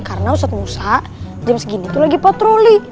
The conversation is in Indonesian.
karena ustaz musa jam segini tuh lagi patroli